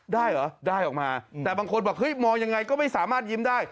ได้เหรอได้ออกมาแต่บางคนบอกเฮ้ยมองยังไงก็ไม่สามารถยิ้มได้